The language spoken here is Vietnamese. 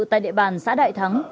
tại địa bàn xã đại thắng